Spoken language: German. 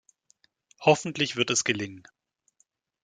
Hoffentlich wird es gelingen.